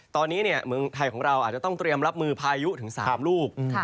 ตอนนี้เมืองไทยของเราอาจจะต้องเตรียมรับมือพายุถึง๓ลูก